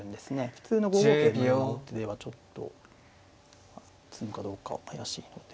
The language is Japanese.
普通の５五桂のような王手ではちょっと詰むかどうか怪しいので。